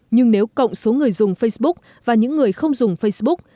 nhưng nếu cộng số người dùng facebook và những người không dùng facebook